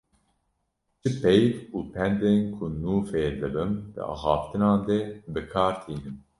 Çi peyv û pendên ku nû fêr dibim di axaftinan de bi kar tînim.